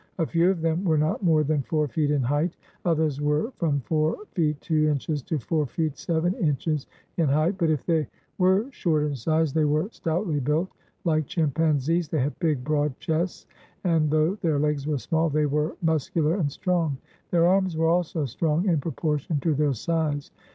A few of them were not more than four feet in height; others were from four feet two inches to four feet seven inches in height. But if they were short in size, they were stoutly built; like chimpanzees, they had big, broad chests, and, though their legs were small, they were mus cular and strong. Their arms were also strong in propor tion to their size.